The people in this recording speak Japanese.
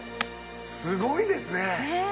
すごいですね！ねぇ！